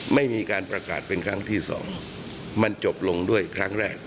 ไม่มีการประกาศเป็นครั้งที่สองมันจบลงด้วยครั้งแรก